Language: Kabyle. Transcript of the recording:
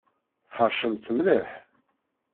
Tḥeṛcemt mliḥ!